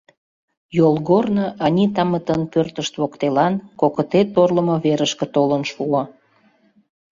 Йолгорно Анитамытын пӧртышт воктелан кокыте торлымо верышке толын шуо.